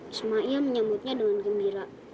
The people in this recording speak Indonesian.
ismail menyambutnya dengan gembira